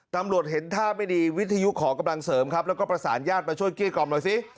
ตำรวจเห็นท่าไม่ดีวิทยุขอกำลังเสริมครับแล้วก็ประสานญาติมาช่วยเกลี้กล่อมหน่อยสิ